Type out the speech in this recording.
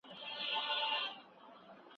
که ئې وويل، چي زموږ د ښار ټولي ښځي طلاقي دي.